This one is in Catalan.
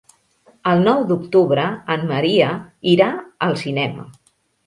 El nou d'octubre en Maria irà al cinema.